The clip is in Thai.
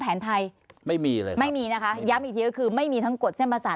แผนไทยไม่มีเลยไม่มีนะคะย้ำอีกทีก็คือไม่มีทั้งกฎเส้นภาษา